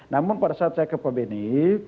namun pada saat saya ke pak beni